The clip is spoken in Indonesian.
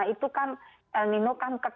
itu kan el nino kan